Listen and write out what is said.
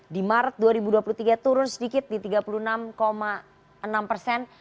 di maret dua ribu dua puluh tiga turun sedikit di tiga puluh enam enam persen